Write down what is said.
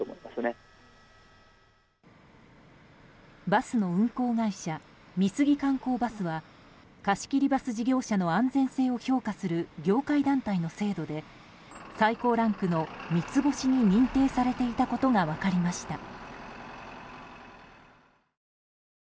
バスの運行会社美杉観光バスは貸し切りバス事業者の安全性を評価する業界団体の制度で、最高ランクの三ツ星に認定されていたことが分かりました。